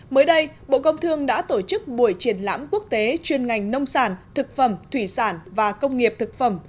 mới đây bộ công thương đã tổ chức buổi triển lãm quốc tế chuyên ngành nông sản thực phẩm thủy sản và công nghiệp thực phẩm